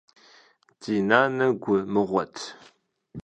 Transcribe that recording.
Ди нанэ гу мыгъуэт.